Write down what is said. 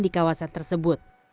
di kawasan tersebut